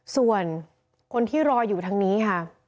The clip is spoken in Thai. ส่วนคนที่รออยู่ทางนี้ค่ะ